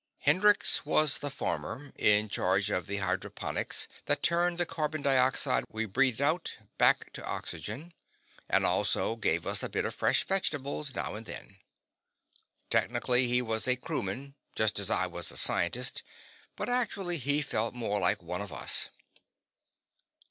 Hendrix was the Farmer, in charge of the hydroponics that turned the carbon dioxide we breathed out back to oxygen, and also gave us a bit of fresh vegetables now and then. Technically, he was a crewman, just as I was a scientist; but actually, he felt more like one of us.